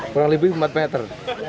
kurang lebih empat meter